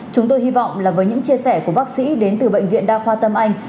chúng tôi hy vọng là với những chia sẻ của bác sĩ đến từ bệnh viện đa khoa tâm anh